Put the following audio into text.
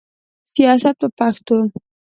سیاست په پښتو.